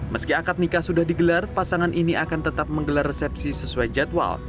meski akad nikah sudah digelar pasangan ini akan tetap menggelar resepsi sesuai jadwal